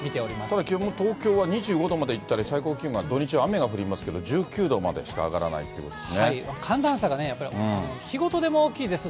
ただ基本、東京は２５度までいったり、最高気温は、土日は雨が降りますけど１９度までしか上がらないということです